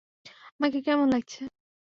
আমাকে কেমন লাগছে?